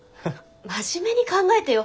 真面目に考えてよ。